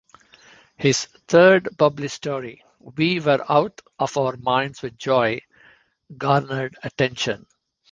His third published story, "We Were Out of Our Minds with Joy," garnered attention.